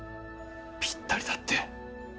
ぴったりだって！